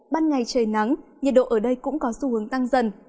ban ngày trời nắng nhiệt độ ở đây cũng có xu hướng tăng dần